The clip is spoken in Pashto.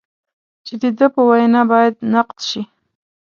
چې د ده په وینا باید نقد شي.